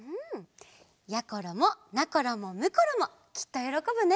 やころもなころもむころもきっとよろこぶね。